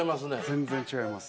全然違います。